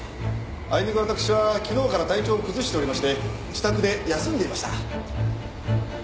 あいにくわたくしは昨日から体調を崩しておりまして自宅で休んでいました。